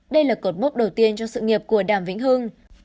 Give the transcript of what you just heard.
đây là cột mốc đầu tiên trong sự nghiệp của đàm vĩnh hương